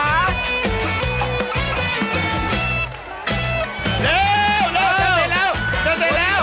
เร็วแล้วเจอเสร็จแล้ว